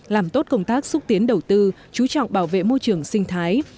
làm tốt công tác xúc tiến đầu tư chú trọng bảo vệ môi trường sinh thái